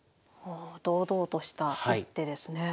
堂々とした一手ですね。